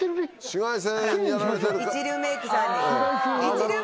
紫外線を。